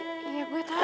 iiiih gua takutnya